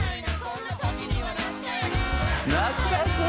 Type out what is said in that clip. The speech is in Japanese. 懐かしい！